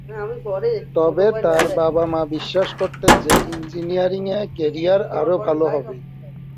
তবে তার বাবা-মা বিশ্বাস করতেন যে ইঞ্জিনিয়ারিংয়ে ক্যারিয়ার আরও ভাল হবে।